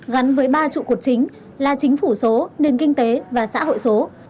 gắn với ba trụ cột chính là chính phủ số nền kinh tế và xã hội số